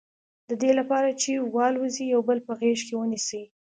د دې لپاره چې والوزي یو بل په غېږ کې ونیسي.